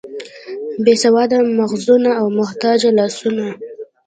بې سواده مغزونه او محتاج لاسونه.